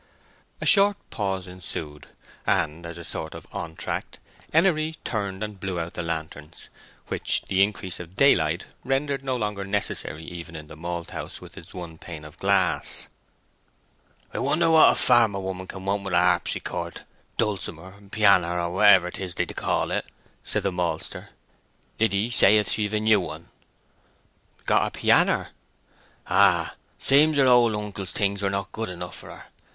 A short pause ensued, and as a sort of entr'acte Henery turned and blew out the lanterns, which the increase of daylight rendered no longer necessary even in the malthouse, with its one pane of glass. "I wonder what a farmer woman can want with a harpsichord, dulcimer, pianner, or whatever 'tis they d'call it?" said the maltster. "Liddy saith she've a new one." "Got a pianner?" "Ay. Seems her old uncle's things were not good enough for her.